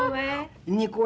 tante duduk aja